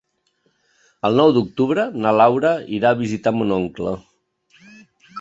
El nou d'octubre na Laura irà a visitar mon oncle.